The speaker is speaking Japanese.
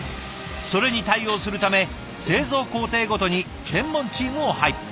それに対応するため製造工程ごとに専門チームを配備。